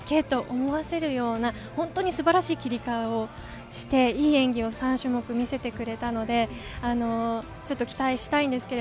思わせるような素晴らしい切り替えをして、いい演技を３種目見せてくれたので期待したいです。